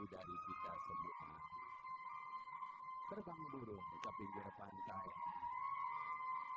kedua mempelai dan keluarga disambut oleh tamu dan undangannya